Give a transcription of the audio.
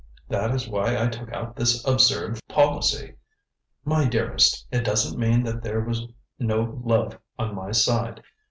That is why I took out this absurd policy. My dearest it doesn't mean that there was no love on my side.